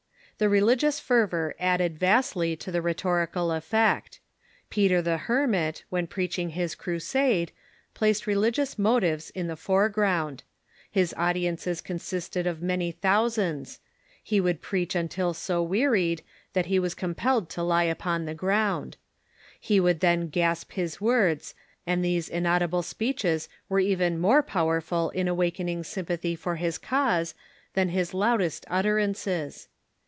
The relig ious fervor added vastly to the rhetorical effect. Peter the Hermit, when preaching his crusade, placed religious motives in the foreground. His audiences consisted of many thou sands. He would preach until so wearied that he was com pelled to lie upon the ground. He w^ould then gasp his words, and these inaudible speeches were even more power ful in awakening sympathy for his cause than his loudest utterances.